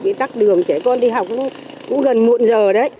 bị tắt đường trẻ con đi học cũng gần muộn giờ đấy